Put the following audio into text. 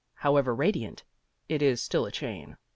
However radiant, it is still a chain.